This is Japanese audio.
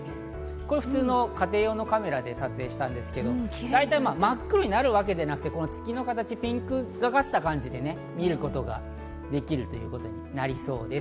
普通の家庭用のカメラで撮影したんですけど真っ黒になるわけでなく、月の形、ピンクがかった形で見ることができるということになりそうです。